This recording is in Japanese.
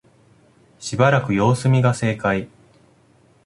しばらく様子見が正解